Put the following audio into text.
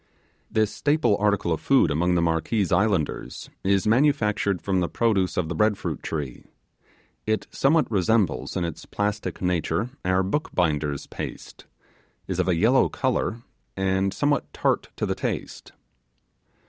This staple article of food among the Marquese islanders is manufactured from the produce of the bread fruit tree. It somewhat resembles in its plastic nature our bookbinders' paste, is of a yellow colour, and somewhat tart to the taste.